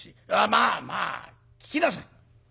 まあまあ聞きなさい。